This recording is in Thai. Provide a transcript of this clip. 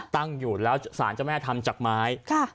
ตั้งอยู่แล้วสารเจ้าแม่ทำจากไม้